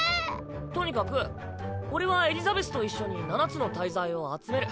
とにかく俺はエリザベスと一緒に七つの大罪を集める。